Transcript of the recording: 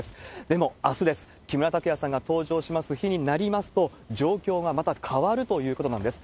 でも、あすです、木村拓哉さんが登場します日になりますと、状況がまた変わるということなんです。